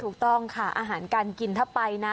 ถูกต้องค่ะอาหารการกินถ้าไปนะ